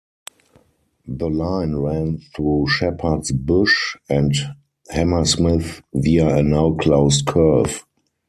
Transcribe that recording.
The line ran through Shepherd's Bush and Hammersmith via a now closed curve.